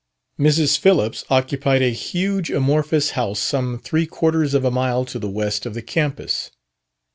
Mrs. Phillips occupied a huge, amorphous house some three quarters of a mile to the west of the campus.